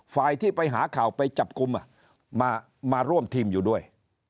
ที่ไปหาข่าวไปจับกลุ่มมาร่วมทีมอยู่ด้วย